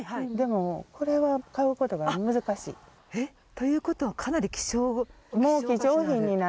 ということはかなり希少。